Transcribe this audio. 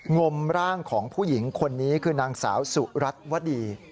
งมร่างของผู้หญิงคนนี้คือนางสาวสุรัตน์วดี